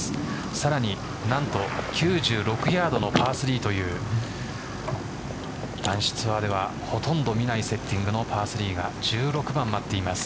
さらに何と９６ヤードのパー３という男子ツアーではほとんど見ないセッティングのパー３が１６番待っています。